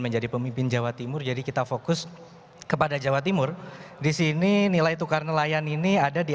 menjadi pemimpin jawa timur jadi kita fokus kepada jawa timur disini nilai tukar nelayan ini ada di